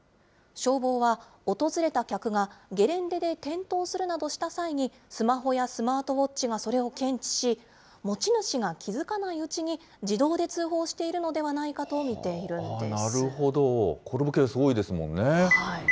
消防は訪れた客が、ゲレンデで転倒するなどした際に、スマホやスマートウォッチがそれを検知し、持ち主が気付かないうちに、自動で通報しているのではないかと見なるほど、転ぶケース多いですもんね。